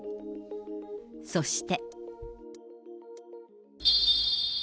そして。